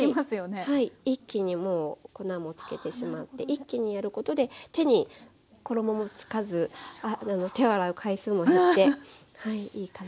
はい一気にもう粉も付けてしまって一気にやることで手に衣も付かず手を洗う回数も減っていいかなと思います。